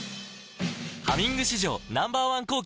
「ハミング」史上Ｎｏ．１抗菌